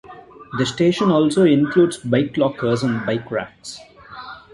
The station also includes bike lockers and bike racks.